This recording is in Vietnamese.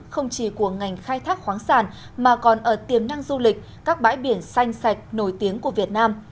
không chỉ của ngành khai thác khoáng sản mà còn ở tiềm năng du lịch các bãi biển xanh sạch nổi tiếng của việt nam